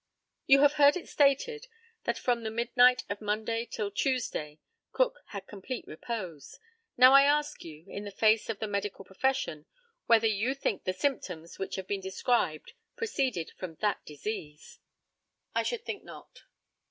You have heard it stated, that from the midnight of Monday till Tuesday Cook had complete repose. Now, I ask you, in the face of the medical profession, whether you think the symptoms which have been described proceeded from that disease? I should think not.